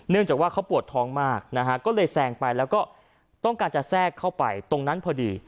จากว่าเขาปวดท้องมากนะฮะก็เลยแซงไปแล้วก็ต้องการจะแทรกเข้าไปตรงนั้นพอดี